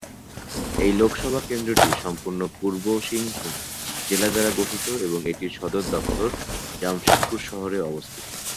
এই লোকসভা কেন্দ্রটি সম্পূর্ণ পূর্ব সিংভূম জেলা দ্বারা গঠিত এবং এটির সদর দফতর জামশেদপুর শহরে অবস্থিত।